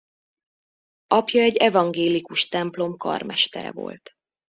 Apja egy evangélikus templom karmestere volt.